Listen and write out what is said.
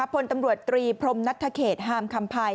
พลตำรวจตรีพรมนัทธเขตฮามคำภัย